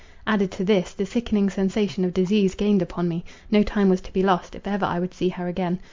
Added to this, the sickening sensation of disease gained upon me; no time was to be lost, if ever I would see her again.